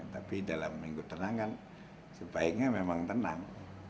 tapi dalam minggu tenang kan sebaiknya memang tenang